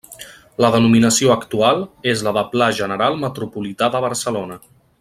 La denominació actual és la de Pla general metropolità de Barcelona.